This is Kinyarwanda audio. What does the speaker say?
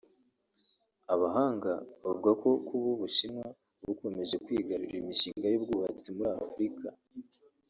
Abahanga bavuga ko kuba u Bushinwa bukomeje kwigarurira imishinga y’ubwubatsi muri Afurika